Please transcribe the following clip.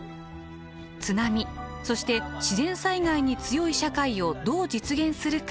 津波そして自然災害に強い社会をどう実現するか学べます。